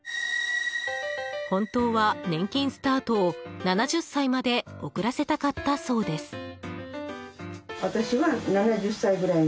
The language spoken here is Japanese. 本当は年金スタートを７０歳まで遅らせたかったそうです。